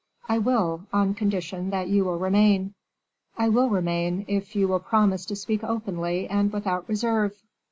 "I will, on condition that you will remain." "I will remain, if you will promise to speak openly and without reserve."